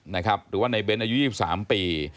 หรือว่าในเบ้นอายุ๒๓ปี